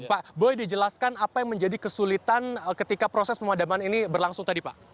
pak boleh dijelaskan apa yang menjadi kesulitan ketika proses pemadaman ini berlangsung tadi pak